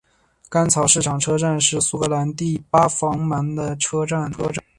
干草市场车站是苏格兰第八繁忙的车站。